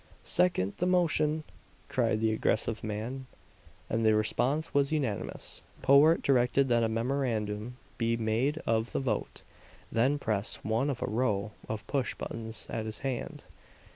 "Second the motion!" cried the aggressive man; and the response was unanimous. Powart directed that a memorandum be made of the vote; then pressed one of a row of pushbuttons at his hand.